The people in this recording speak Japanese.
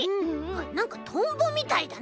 なんかとんぼみたいだね。